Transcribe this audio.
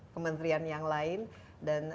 kementerian yang lain dan